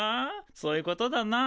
そういうことだなあ。